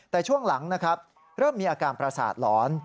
แต่ช่วงหลังนะครับเริ่มมีอาการประสาทหลอน